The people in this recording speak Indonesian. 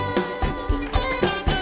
kamu juga sama